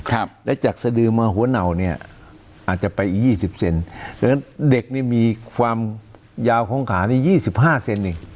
และจากสดือมาหัวเหนาเนี่ยอาจจะไปอีก๒๐เซนเด็กมีความยาวของขา๒๕เซน